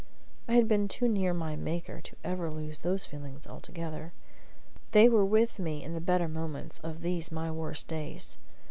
I had been too near my Maker ever to lose those feelings altogether. They were with me in the better moments of these my worst days.